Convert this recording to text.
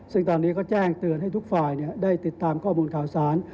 ซึ่งตอนนี้ก็แจ้งเตือนให้ทุกฝ่ายได้ติดตามข้อมูลข่าวสาร